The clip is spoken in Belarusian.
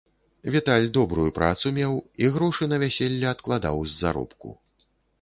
Віталь добрую працу меў, і грошы на вяселле адкладаў з заробку.